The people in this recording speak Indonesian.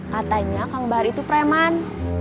katanya kang bahri itu preman